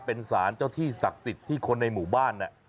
เป็นสารเจ้าที่ศักดิ์สิทธิ์ที่คนในหมู่บ้าน